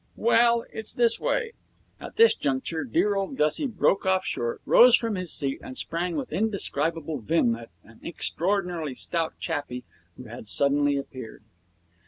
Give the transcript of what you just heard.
'Well, it's this way ' At this juncture dear old Gussie broke off short, rose from his seat, and sprang with indescribable vim at an extraordinarily stout chappie who had suddenly appeared.